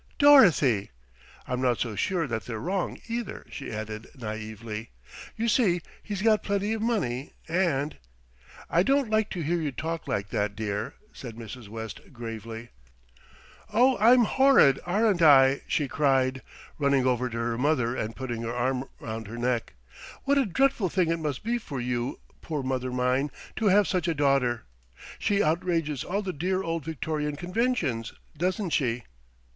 "Dorothy!" "I'm not so sure that they're wrong, either," she added naïvely. "You see, he's got plenty of money and " "I don't like to hear you talk like that, dear," said Mrs. West gravely. "Oh, I'm horrid, aren't I?" she cried, running over to her mother and putting her arm round her neck. "What a dreadful thing it must be for you, poor mother mine, to have such a daughter! She outrages all the dear old Victorian conventions, doesn't she?"